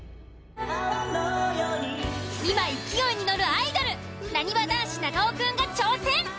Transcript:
泡のように今勢いに乗るアイドルなにわ男子長尾くんが挑戦。